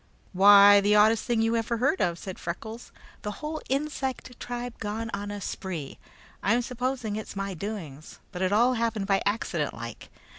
"Why, the oddest thing you ever heard of," said Freckles; "the whole insect tribe gone on a spree. I'm supposing it's my doings, but it all happened by accident, like.